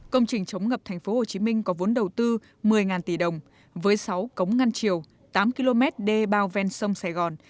công trình chống ngập tp hcm có vốn đầu tư một mươi tỷ đồng với sáu cống ngăn chiều tám km đê bao ven sông sài gòn